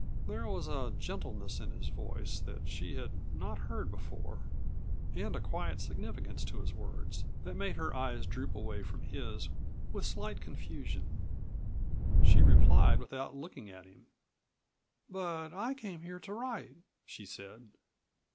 There was a gentleness in his voice that she had not heard before, and a quiet significance to his words that made her eyes droop away from his with slight confusion. She replied without looking at him. "But I came here to write," she said.